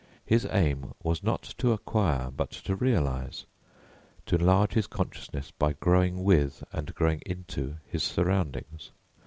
His aim was not to acquire but to realise, to enlarge his consciousness by growing with and growing into his surroundings.